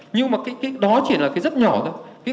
nhưng mà đó chỉ là rất nhỏ thôi